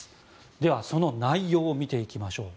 では、その内容を見ていきましょう。